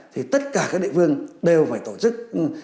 thì tất cả các địa phương đều phải tổ chức